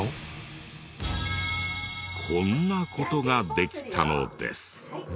こんな事ができたのです。